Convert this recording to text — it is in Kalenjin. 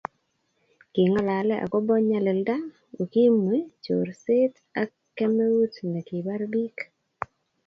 king'alale akobo nyalilda, ukimwi, chorset ak kemeut ne kibar biik